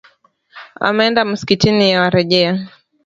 Ameenda msikitini yuarejea.